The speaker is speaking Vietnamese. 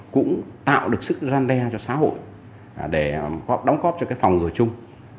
cũng tạo được sức gian đe cho xã hội để đóng góp cho cái phòng ngừa chung